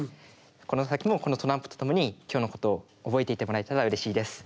この先もこのトランプと共に今日のことを覚えていてもらえたらうれしいです。